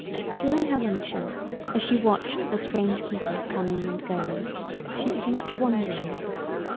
During her luncheon, as she watched the strange people coming and going, she did much wondering.